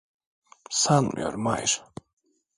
Sanmıyorum, hayır.